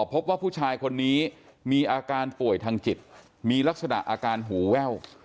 พบว่าผู้ชายคนนี้มีอาการป่วยทางจิตมีลักษณะอาการหูแว่ว